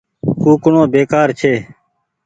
ڪوُڪڻو بيڪآر ڇي۔